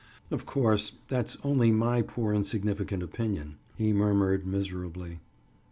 "Of course, that's only my poor insignificant opinion," he murmured miserably.